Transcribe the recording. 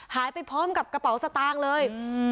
หายไปพร้อมกับกระเป๋าสตางค์เลย